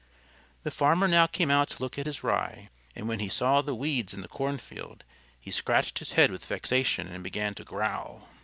The farmer now came out to look at his Rye, and when he saw the weeds in the cornfield he scratched his head with vexation and began to growl.